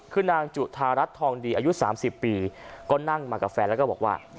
คือนางจุธารัฐทองดีอายุ๓๐ปีก็นั่งมากับแฟนแล้วก็บอกว่า